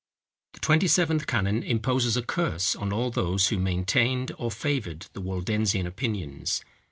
The Twenty seventh canon imposes a curse on all those who maintained or favoured the Waldensian opinions.